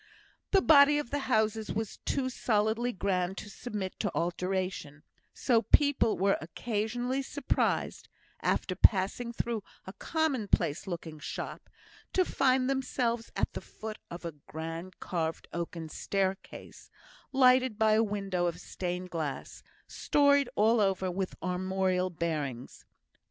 The body of the houses was too solidly grand to submit to alteration; so people were occasionally surprised, after passing through a commonplace looking shop, to find themselves at the foot of a grand carved oaken staircase, lighted by a window of stained glass, storied all over with armorial bearings.